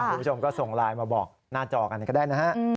คุณผู้ชมก็ส่งไลน์มาบอกหน้าจอกันก็ได้นะฮะ